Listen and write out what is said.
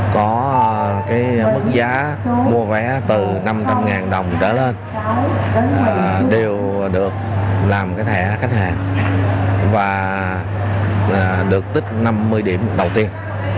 có cái mức giá mua vé từ năm trăm linh đồng trở lên đều được làm cái thẻ khách hàng và được tích năm mươi điểm đầu tiên